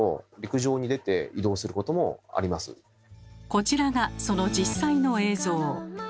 こちらがその実際の映像。